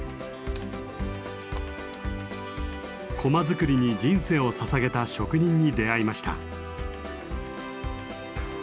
駒作りに人生をささげた職人に出会いました。